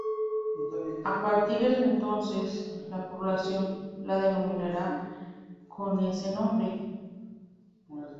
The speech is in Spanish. A partir de entonces, la población la denominaría con ese nombre.